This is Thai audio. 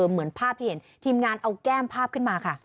เหมือนภาพที่เห็นทีมงานเอาแก้มภาพขึ้นมาค่ะ